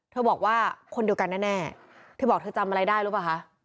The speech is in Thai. เธอบอกว่าคนเดียวกันแน่แน่เธอบอกเธอจำอะไรได้รู้ป่าวคะ